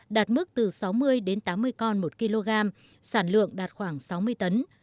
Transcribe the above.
đạt mức từ sáu mươi đến tám mươi con một kg sản lượng đạt khoảng sáu mươi tấn